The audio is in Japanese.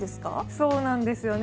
そうなんですよね。